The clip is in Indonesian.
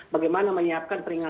bagaimana menyiapkan peringatan